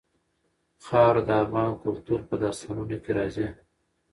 خاوره د افغان کلتور په داستانونو کې راځي.